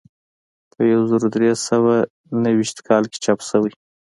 په یو زر درې سوه نهه ویشت کال کې چاپ شوی.